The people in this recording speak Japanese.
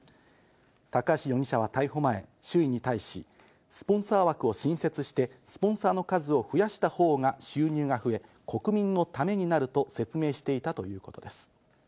高橋容疑者は逮捕前、周囲に対し、スポンサー枠を新設してスポンサーの数を増やしたほうが収入が増え、国民のためになると説明していたということです。